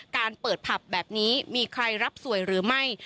การเปิดผับแบบนี้มีใครรับสวยหรือไม่